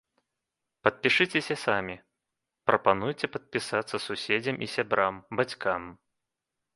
Падпішыцеся самі, прапануйце падпісацца суседзям і сябрам, бацькам!